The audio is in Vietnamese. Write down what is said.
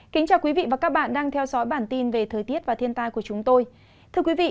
cảm ơn các bạn đã theo dõi và ủng hộ cho bản tin thời tiết và thiên tai của chúng tôi